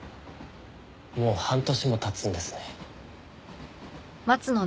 もう半年も経つんですね。